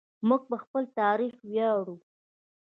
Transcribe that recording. موږ په خپل تاریخ ویاړو.